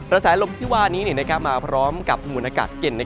ระแสลมุมที่ว่านี้มาพร้อมกับหมุนอากาศเก่น